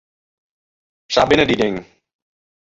Sa binne dy dingen.